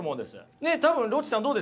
ねえ多分ロッチさんどうですか？